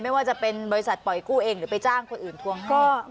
ไม่ว่าจะเป็นบริษัทปล่อยกู้เองหรือไปจ้างคนอื่นทวงให้